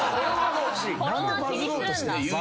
何でバズろうとしてんすか。